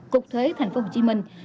cục thuế tp hcm